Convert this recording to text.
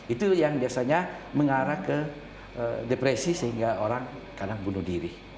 itu yang biasanya mengarah ke depresi sehingga orang kadang bunuh diri